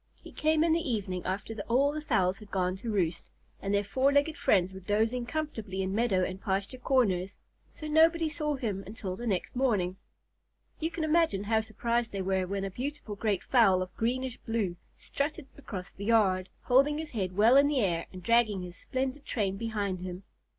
He came in the evening after all the fowls had gone to roost, and their four legged friends were dozing comfortably in meadow and pasture corners, so nobody saw him until the next morning. You can imagine how surprised they were when a beautiful great fowl of greenish blue strutted across the yard, holding his head well in the air and dragging his splendid train behind him.